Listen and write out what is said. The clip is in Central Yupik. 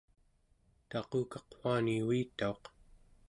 taqukaq uani uitauq